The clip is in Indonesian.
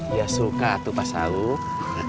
ya suka atukang dadang